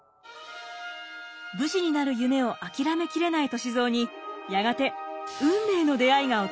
武士になる夢を諦めきれない歳三にやがて運命の出会いが訪れます。